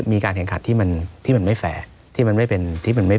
มีการแข่งขันที่มันที่มันไม่แฟร์ที่มันไม่เป็นที่มันไม่